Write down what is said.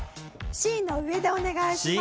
Ｃの上でお願いします。